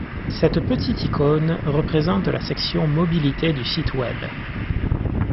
Cette petite icône représente la section Mobilité du site Web.